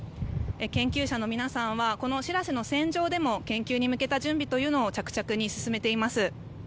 研究者の皆さんは「しらせ」の船上でも研究に向けた準備というのを着々と進めています。